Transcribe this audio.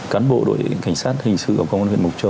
cán bộ đội cảnh sát hình sự của công an huyện mộc châu